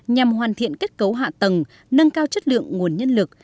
nhằm hoàn thiện kết cấu hạ tầng nâng cao chất lượng nguồn nhân lực